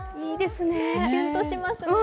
キュンとしますね。